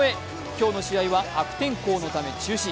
今日の試合は悪天候のため中止。